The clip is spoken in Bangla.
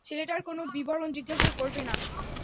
ছেলেটার কোনো বিবরণ জিজ্ঞাসা করবে না।